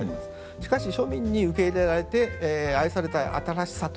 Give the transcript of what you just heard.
しかし庶民に受け入れられて愛された新しさというのはですね